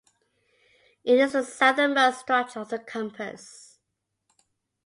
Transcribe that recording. It is the southernmost structure of the campus.